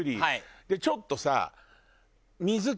でちょっとさ